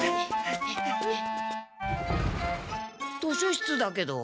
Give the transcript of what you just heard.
図書室だけど。